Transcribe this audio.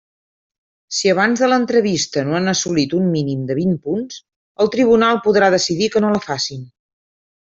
Si abans de l'entrevista no han assolit un mínim de vint punts, el tribunal podrà decidir que no la facin.